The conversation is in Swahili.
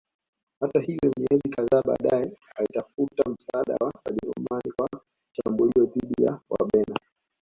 Hata hivyo miezi kadhaa baadaye alitafuta msaada wa Wajerumani kwa shambulio dhidi ya Wabena